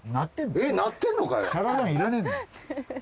えっ鳴ってるのかよ！